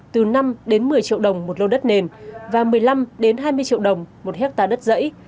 từ năm một mươi triệu đồng một lô đất nền và một mươi năm hai mươi triệu đồng một hectare đất dãy